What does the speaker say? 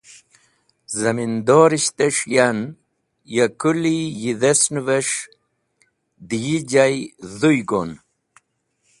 Zamindorishtes̃h yan , ya kũli yidhesn’ves̃h dẽ yijay dhũy go’n.